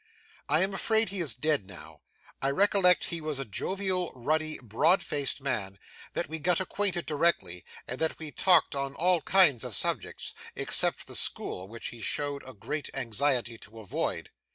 I am afraid he is dead now. I recollect he was a jovial, ruddy, broad faced man; that we got acquainted directly; and that we talked on all kinds of subjects, except the school, which he showed a great anxiety to avoid.